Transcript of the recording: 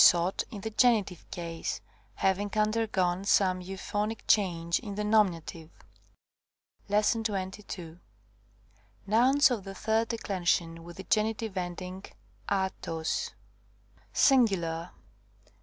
sought in the genitive case, having undergone some euphonic change in the nominative. § 22. Nouns of the third declension with the genitive end ing ατος. Singular.